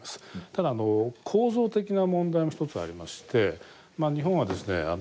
ただ構造的な問題も１つありまして日本はですね